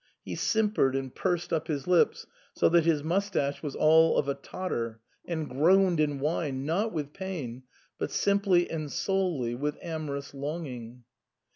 He simpered and pursed up his lips so that his moustache was all of a totter, and groaned and whined, not with pain, but simply and solely with amorous longing.